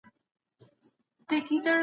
په ژوند کې هر کار پلټني ته اړتیا لري.